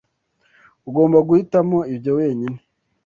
Ugomba guhitamo ibyo wenyine.